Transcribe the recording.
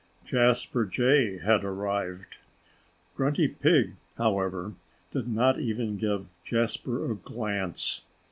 Jasper Jay had arrived. Grunty Pig, however, did not even give Jasper a glance.